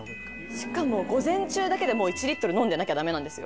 しかも午前中だけで１飲んでなきゃダメなんですよ。